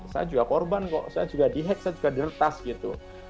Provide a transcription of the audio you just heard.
saya juga korban kok saya juga di hack saya juga diretas gitu